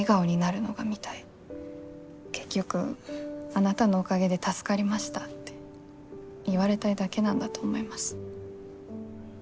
結局あなたのおかげで助かりましたって言われたいだけなんだと思います。